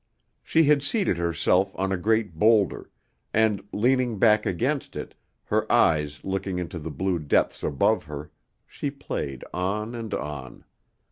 She had seated herself on a great boulder, and, leaning back against it, her eyes looking into the blue depths above her, she played on and on.